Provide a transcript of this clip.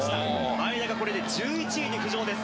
前田がこれで１１位に浮上です。